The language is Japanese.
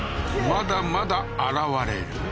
まだまだ現れる